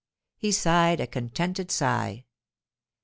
He sighed a contented sigh.